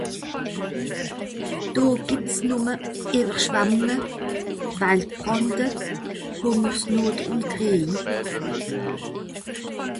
Do gebt's numme Ewerschwemmunge, Waldbrände, Hungersnot un Kriej